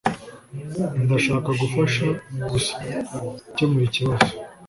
Ndashaka gufasha gusa gukemura ikibazo.